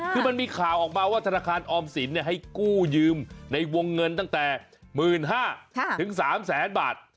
คือมันมีข่าวออกมาว่าธนาคารออมสินให้กู้ยืมในวงเงินตั้งแต่๑๕๐๐ถึง๓แสนบาท